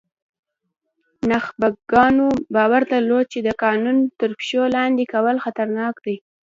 نخبګانو باور درلود چې د قانون تر پښو لاندې کول خطرناک دي.